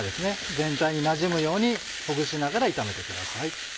全体になじむようにほぐしながら炒めてください。